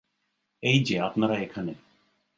এই-যে, আপনারা এখানে!